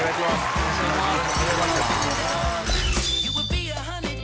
よろしくお願いしますあれ？